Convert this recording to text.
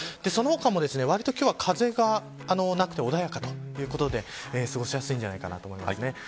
その他も、わりと今日は風がなくて穏やかということで過ごしやすいんじゃないかと思います。